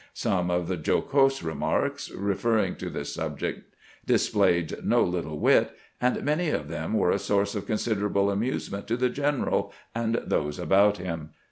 Some of the jocose remarks referring to this subject displayed no little wit, and many of them were a source of consid erable amusement to the general and those about him.